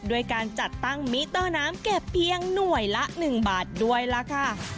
ด้วยการจัดตั้งมิเตอร์น้ำเก็บเพียงหน่วยละ๑บาทด้วยล่ะค่ะ